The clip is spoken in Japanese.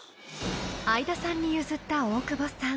［相田さんに譲った大久保さん］